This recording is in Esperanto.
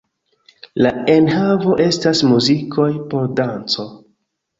La enhavo estas muzikoj por danco.